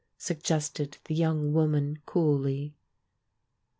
suggested the young woman coolly.